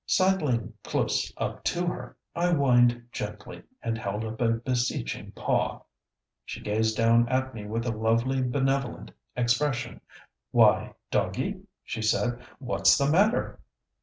Sidling close up to her, I whined gently and held up a beseeching paw. She gazed down at me with a lovely benevolent expression. "Why, doggie," she said, "what's the matter?"